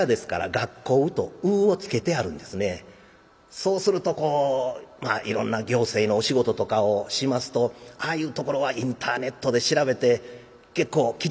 そうするとこういろんな行政のお仕事とかをしますとああいうところはインターネットで調べて結構きっちりされてますね。